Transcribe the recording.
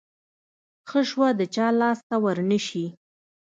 څه شوه د چا لاس ته ورنشي.